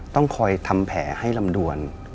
ต้องคอยทำแผลให้ลำดวน